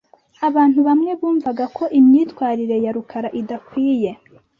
Abantu bamwe bumvaga ko imyitwarire ya rukara idakwiye .